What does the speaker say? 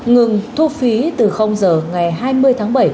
ngừng thu phí từ giờ ngày hai mươi tháng bảy